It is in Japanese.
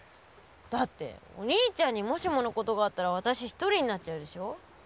だってお兄ちゃんにもしものことがあったら私一人になっちゃうでしょ。